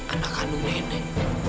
anak kandung nenek